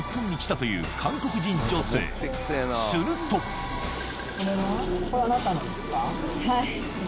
するとはい。